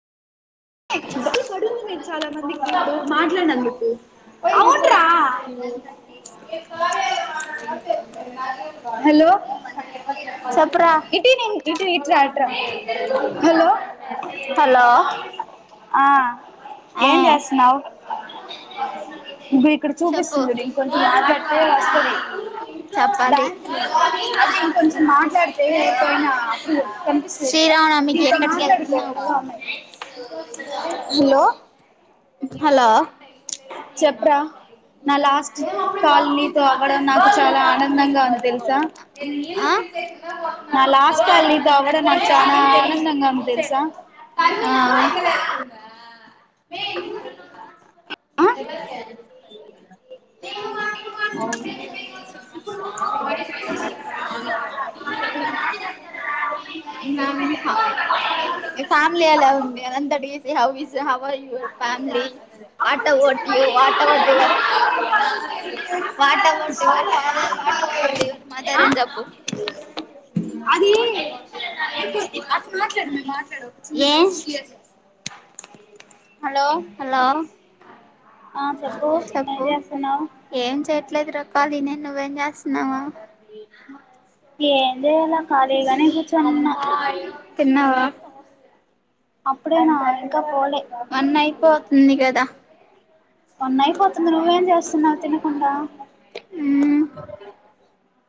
బట్టలు పొడుగు గున్నయ్ చాలా మందికి ఇప్పుడు మాట్లాడినందుకు పోయి దిస్కరా సెప్పురా ఇ ఇ ఇట్ రా అట్ రా హలో ఆ ఏం జేస్తున్నావు బి ఇక్కడ చూపిస్తుంది జూడు కొంచెం మాట్లాడితే వస్తది బ్యాంక్ లో అ [unintelligible] కొంచెం మాట్లాడితే పోయినా కనిపిస్త ఇంక మాట్లాడుకొ పో అమ్మాయి అ [inaudible] హలో హలో చెప్పురా మ బ [unintelligible] వ [unintelligible] అ [inaudible] [inaudible] అ [unintelligible] ఫ్యామిలీ ఎలా ఉంది అది అంత అడిగే how he's how are you your family what about you what about your what about your father what about your mother అని జెప్పు [inaudible] మాట్లాడు మేము మాట్లాడామ్ చిన్న డౌట్ క్లియర్ హలో చెప్పు ఏం చే ఇట్లరకాలదినే నువ్ ఏం జేస్తున్నావు తిన్నావా వన్న్ అయిపోతుంది గదా వన్న్ అయిపోతుంది నువ్వేం చేస్తున్నావు తినకుండా ఉమ్